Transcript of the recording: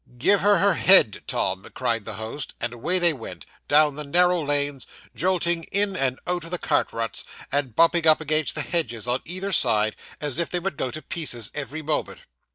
'Give her her head, Tom,' cried the host; and away they went, down the narrow lanes; jolting in and out of the cart ruts, and bumping up against the hedges on either side, as if they would go to pieces every moment.